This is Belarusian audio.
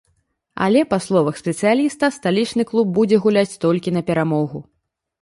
Але, па словах спецыяліста, сталічны клуб будзе гуляць толькі на перамогу.